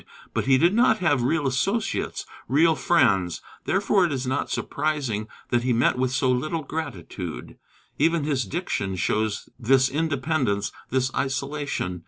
But he did not have real associates, real friends; therefore it is not surprising that he met with so little gratitude. Even his diction shows this independence, this isolation.